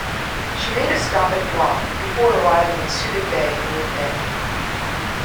She made a stop at Guam before arriving in Subic Bay in mid-May.